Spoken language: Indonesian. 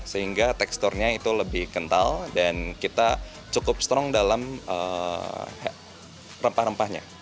sehingga teksturnya itu lebih kental dan kita cukup strong dalam rempah rempahnya